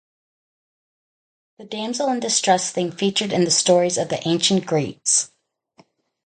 The damsel in distress theme featured in the stories of the ancient Greeks.